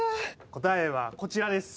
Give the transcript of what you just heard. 答えはこちらです。